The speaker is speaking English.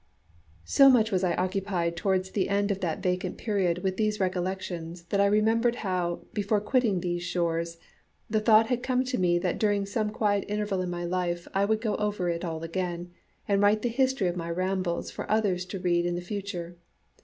So much was I occupied towards the end of that vacant period with these recollections that I remembered how, before quitting these shores, the thought had come to me that during some quiet interval in my life I would go over it all again, and write the history of my rambles for others to read in the future.